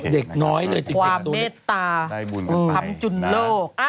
เด็กน้อยความเมตตาทำจุนโลก